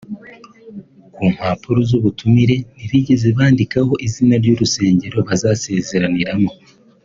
Ku mpapuro z’ubutumire ntibigeze bandikaho izina ry’urusengero bazasezeraniramo